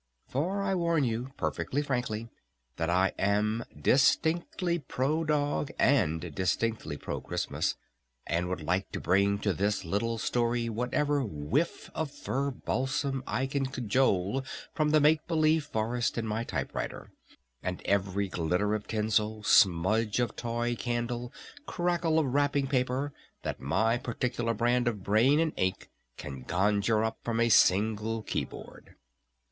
For I warn you perfectly frankly that I am distinctly pro dog and distinctly pro Christmas, and would like to bring to this little story whatever whiff of fir balsam I can cajole from the make believe forest in my typewriter, and every glitter of tinsel, smudge of toy candle, crackle of wrapping paper, that my particular brand of brain and ink can conjure up on a single keyboard!